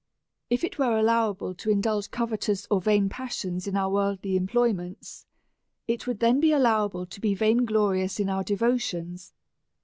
If it were allowable to indulge covetous or vain passions in our worldly employments, it would then be allowable to be vain glorious in our devotions.